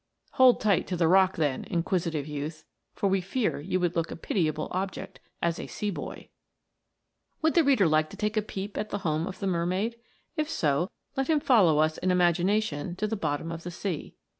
Held tight to the rock then, inquisitive youth, for we fear you would look a pitiable object as a sea boy ! Would the reader like to take a peep at the home of the mermaid 1 If so, let him follow us in imagi nation to the bottom of the sea.